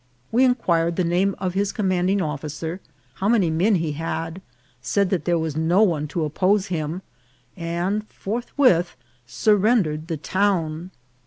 We inquired the name of his commanding officer, how many men he had, said that there was no one to oppose him, and forthwith sur rendered the town.